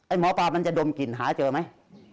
หมอปลามันจะดมกลิ่นหาเจอไหม